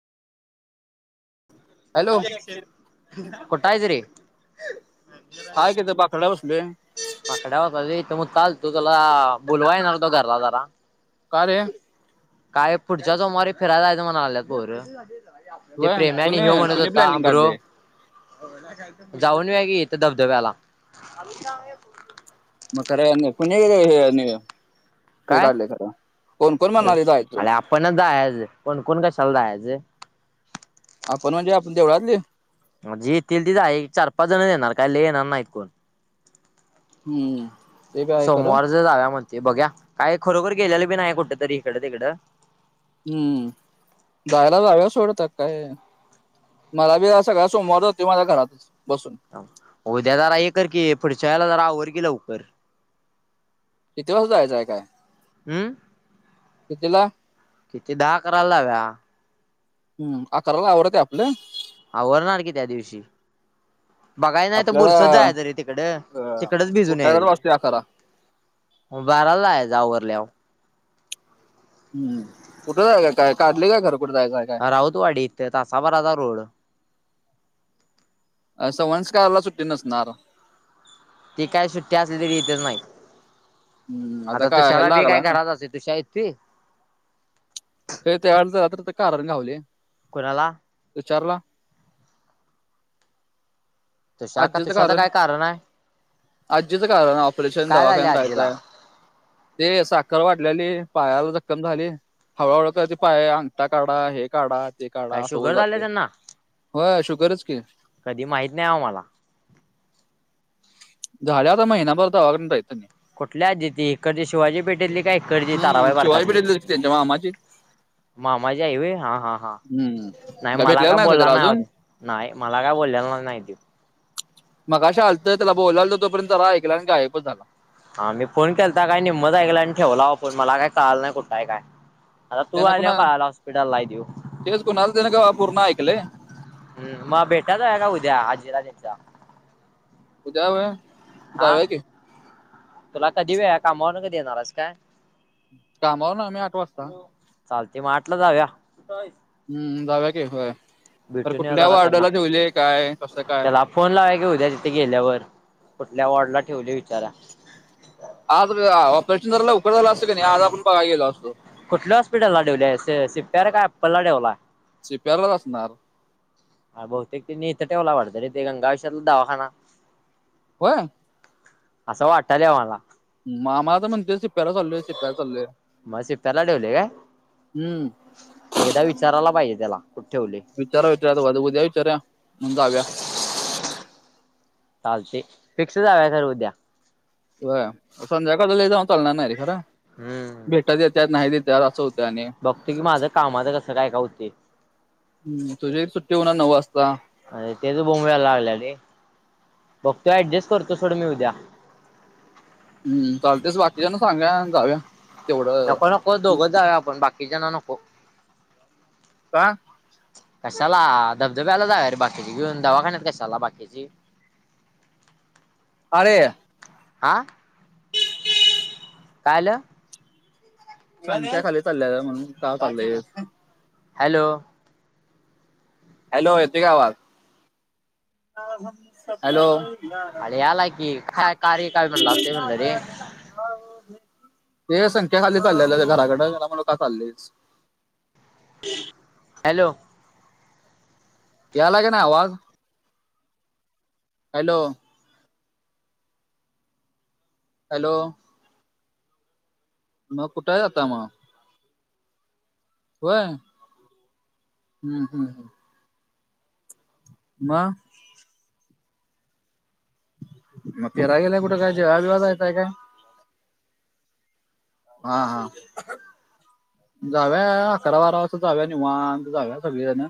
Hello कुठं आहते रे? हाय तिथं बाकड्या बसलोय. बाकड्या होता रे इथं म चाल तू तुला बोलवा येणार होता घरला जरा. का रे? काय पुढच्या सोमवारीे फिराय जायचं म्हणाय लागल्यात पोरं. ते होय प्रेम्या आणि कुणी ह्यो म्हणत कुणी होता प्लॅनिंग ब्रो काढले जाऊन इऊया कि इथं धबधब्याला. नाही अजुन. मग खरं कोणी हे नी हे काय? काढलयं खरं कोण कोण म्हणार हाईत [unintelligible] आपणचं जायचं कोण कोण कशाला जायाचं. आपण म्हणजे आपण देवळातली? मग जी येतील ती जाऊया कि एक चार पाच जण येणार काय लय येणार नाहीत कोण. हम्म.... ते बी आहे खरं सोमवारचं जाऊया म्हणतयं बघूया काय खरोखर गेलेल बी नाही कुठंतर हिकडं तिकडं. हम्म जायला जाऊया सोड त्यात काय. मला बी अ सगळा सोमवार जातोय माझा घरात बसून. उद्या जरा हे कर की पुढच्या वेळेला जरा आवर कि लवकर. किती वाजता जायचयं काय? हम्म... कितीला?? किती दहा अकराला जाव्या. हम्म अकराला आवरतंय आपलं. आवरणार की त्या दिवशी. बघायचं नाही तर आपल्याला बुरसच जायचं रे तिकडं अ, तिकडच भिजून उठायला यायचं. वाजते अकरा म बाराला जायचं आवरल्याव. हम् कुठ जायचं हाय काय, काढलयं काय खरं कुठ जायचं हाय?? राऊतवाडी इथं तासा भराचा रोड. अ सवांशकारला सुट्टी नसणार. ती काय सुट्टी असली तरी इतचं नाहीत, हम्म आता काय तुषाला ह्याला बी लागला काय ना घरात असतोय तुष्या ती ते तयार झालत आता कारण गावलयं. कुणाला?? तुषारला?? तुषा का आजीचं तुषाचं कारण काय आहे आजीचं कारण ऑपरेशन काय झाले दवाखान्याला जायचं आजीला हाय. ते साखर वाढल्याली पायाला जखम झाली. हळूहळू कधी पाय अंगठा काढा, हे काढा, ते काढा काय असं होत शुगर झाले जातंय. त्यांना व्हय शुगरच कि. कधी माहीत नाही आम्हाला. झालयं आता महिनाभर दवाखान्यात हाईत तेनी. कुठली आजी ती हिकडली शिवाजी पेठेतली काय इकडची ताराबाई हम्म शिवाजी पेठेतलीच कि त्यांच्या मामाची. मामाची आई व्हय. हा, हा, हा हम्म नाही मला भेटलेला काय का बोला त्याला नाही बाबा अजून त्यो. नाही मला काय बोललेला नाही त्यो. मगाशी आलतं त्याला बोलालतो तोपर्यंत जरा ऐकला आणि गायपच झाला. हा मी फोन केलता काय निम्मच ऐकला आणि ठेवला बाबा फोन मला काय कळाल नाही कुठं हाय काय. आता तू त्यानं आल्यावर कुणा कळालं हॉस्पिटला हाय त्यो. तेच कुणाला त्यानं का पूर्ण ऐकलंय हम्म मग भेटाय जाऊया काय उद्या आज्जीला तेंच्या? उद्या व्हय? हां तुला कधी वेळ हाय कामावरन कधी येणार हाईस काय? कामावर नाय मी आठ वाजता. चालते मग आठ ला जागा. हम्म, जागा की होय पर भेटून येऊया कुठल्या जरा त्यांना वॉर्डाला ठेवले, काय कसं काय? त्याला फोन लावा की उद्या तिथे गेल्यावर, कुठल्या वॉर्डला ठेवले विचारा. आज ऑपेरेशन जरा लवकर झालं असतं कि नय आज आपण पळा गेलो असतो. कुठल्या हॉस्पिटलला ठेवले सी पी आर काय ऍपलला ठेवला? सी पी आर लाच असणार. हा बहुतेक तिने इथं ठेवला वाटतं रे ते गंगाश्रम दावाखाना व्हय. असं वाटायले मला. मामा तर म्हणते शिप्याला चाल मग शिप्याला ठेवले का? हम्म एकदा विचाराला पाहिजे, त्याला कुठं ठेवले. विचारा-विचारा [unintelligible] उद्या विचारा मग जाऊया. चालते. फिक्स झाले सर उद्या. व्हा, संध्याकाळ ला लईज लांब चालणार नाही रे खरं. हम्म. भेटा देतात, नाही देत्यात असं होत आणि बघतो की माझं कामाच कसं काय-काय होते. हम्म, तुझीही सुट्टी होणार नऊ वाजता. अरे तेच बोंबला लागल्या रे, बघतो ऍडजस्ट करतो थोड मी उद्या. ह्म, चालतेच बाकिच्यांना सांगा जाऊया. तेवढं नको- नको दोघंच जाऊया, आपण बाकीच्यांना नको. का? कशाला, धबधब्याला जाया रे बाकीची घेऊन दवाखान्यात कशाला बाकीची? [inaudible] अळे आं, कायलं? संत्या खाली चालेलाय, म्हणून काव काढलंय. हॅलो. हॅलो येतेय, का आवाज? हॅलो. [unintelligible] अरे याला की काय का रे काय म्हणला असे म्हणलं रे ते संक्या खाली चाललेला घराकडं [unintelligible] का चाललेस? हॅलो. याला कि नाय आवाज? हॅलो. हॅलो. मग कुठंय आता मग? व्हय. हम्म- हम्म- हम्म. मं. मग मग प्याला गेला कुठं काय जेवाला बिवायला जाताय का? हां हा. जाऊव्या अकरा- बारा वाजता जाऊया, निवांत जाऊया सगळे जण.